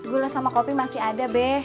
gula sama kopi masih ada beh